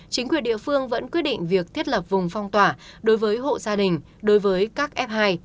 chính quyền địa phương vẫn quyết định việc thiết lập vùng phong tỏa đối với hộ gia đình đối với các f hai